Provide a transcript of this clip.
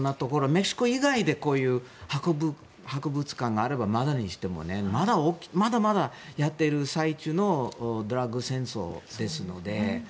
メキシコ以外でこういう博物館があればまだしもまだまだやっている最中のドラッグ戦争ですので。